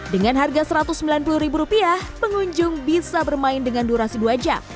dengan harga rp satu ratus sembilan puluh pengunjung bisa bermain dengan durasi dua jam